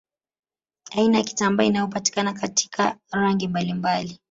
Aina ya kitambaa inayopatikana katika rangi mbalimbali